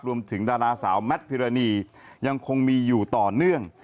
ดาราสาวแมทพิรณียังคงมีอยู่ต่อเนื่อง